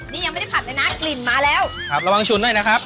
นี่ยังไม่ได้ผัดเลยนะกลิ่นมาแล้วครับระวังชุนด้วยนะครับ